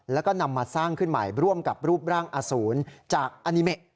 แล้วก็นำมาสร้างขึ้นใหม่ร่วมกับรูปร่างอสูรจากอานิเมะ